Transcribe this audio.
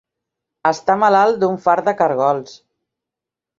Estar malalt d'un fart de cargols.